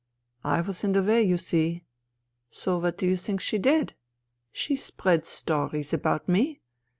I was in the way, you see. So what do you think she did ? She spread stories about me.